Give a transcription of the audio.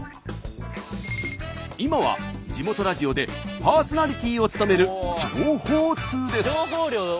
今は地元ラジオでパーソナリティを務める情報通です。